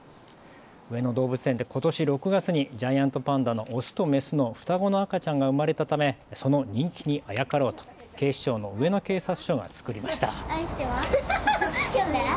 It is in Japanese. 上野動物園でことし６月にジャイアントパンダのオスとメスの双子の赤ちゃんが生まれたためその人気にあやかろうと警視庁の上野警察署が作りました。